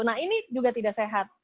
nah ini juga tidak sehat